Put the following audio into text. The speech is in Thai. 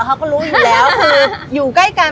เขาก็รู้อยู่แล้วคืออยู่ใกล้กัน